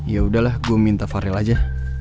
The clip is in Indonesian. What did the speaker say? ya udahlah gue minta farel aja